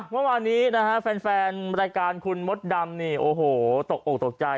เมื่อวานนี้นะฮะแฟนรายการคุณมดดำนี่โอ้โหตกอกตกใจ